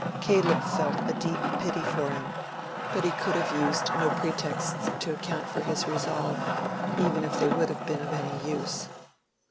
Caleb felt a deep pity for him, but he could have used no pretexts to account for his resolve, even if they would have been of any use.